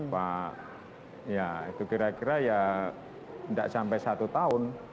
pak ya itu kira kira ya tidak sampai satu tahun